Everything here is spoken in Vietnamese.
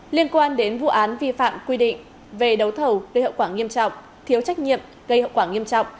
liên quan đến vụ án vi phạm quy định về đấu thầu gây hậu quả nghiêm trọng thiếu trách nhiệm gây hậu quả nghiêm trọng